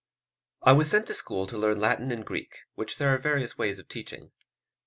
I was sent to school to learn Latin and Greek, which there are various ways of teaching.